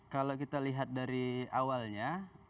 kalau kita lihat dari awalnya